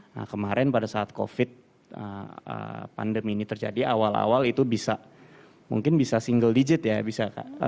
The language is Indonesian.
nah kemarin pada saat covid pandemi ini terjadi awal awal itu bisa mungkin bisa single digit ya bisa